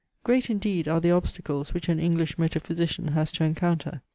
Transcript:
Great indeed are the obstacles which an English metaphysician has to encounter.